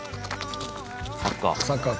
サッカー。